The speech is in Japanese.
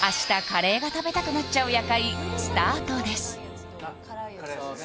カレーが食べたくなっちゃう「夜会」スタートです